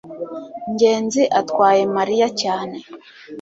ngenzi atwaye mariya cyane